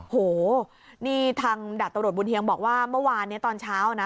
โหนี่ทางดาบตำรวจบุญเฮียงบอกว่าเมื่อวานนี้ตอนเช้านะ